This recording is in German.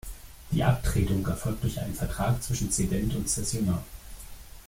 Die Abtretung erfolgt durch einen Vertrag zwischen Zedent und Zessionar.